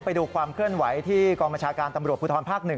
มาดูความเคลื่อนไหวที่กองมาชากานตำรวจภูทธรรมภักดิ์๑